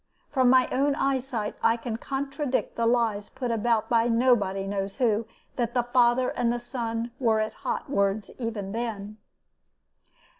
From my own eyesight I can contradict the lies put about by nobody knows who, that the father and the son were at hot words even then.